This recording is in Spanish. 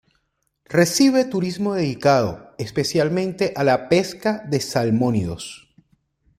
Recibe turismo dedicado, especialmente a la pesca de salmónidos.